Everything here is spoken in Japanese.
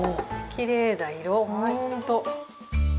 きれいな色ほんと。